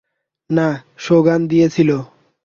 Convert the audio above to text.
না, সোগান দিয়েছিল।